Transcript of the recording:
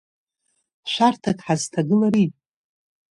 Шәарҭас ҳазҭагылари?